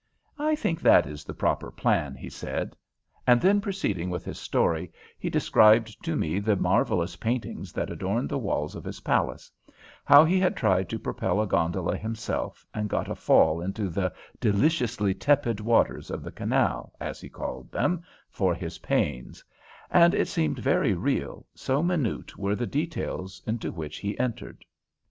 "I think that is the proper plan," he said, and then, proceeding with his story, he described to me the marvellous paintings that adorned the walls of his palace; how he had tried to propel a gondola himself, and got a fall into the "deliciously tepid waters of the canal," as he called them, for his pains; and it seemed very real, so minute were the details into which he entered.